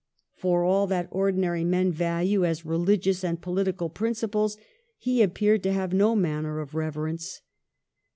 For all that ordinary men value as religious and political principles he appeared to have no manner of reverence.